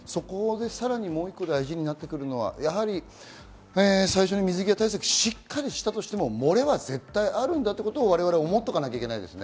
さらに大事になってくるのは、水際対策をしっかりしたとしても漏れは絶対あるんだということは我々を思っておかなきゃいけないですね。